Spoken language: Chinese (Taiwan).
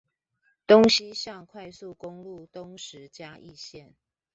東西向快速公路東石嘉義線